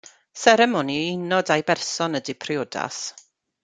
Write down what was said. Seremoni i uno dau berson ydy priodas.